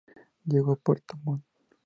Llegó a Puerto Montt.